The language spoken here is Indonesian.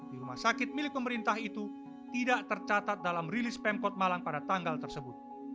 di rumah sakit milik pemerintah itu tidak tercatat dalam rilis pemkot malang pada tanggal tersebut